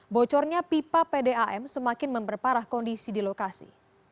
bocornya pipa pdam semakin memperparah kondisi di lokasi